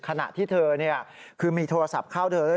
ขณะที่เธอคือมีโทรศัพท์เข้าเธอด้วย